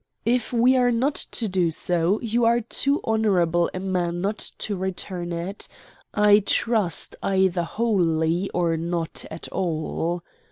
If we are not to do so, you are too honorable a man not to return it. I trust either wholly, or not at all."